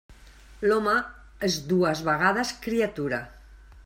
L'home és dues vegades criatura.